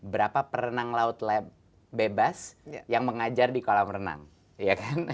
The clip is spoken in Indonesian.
berapa perenang laut bebas yang mengajar di kolam renang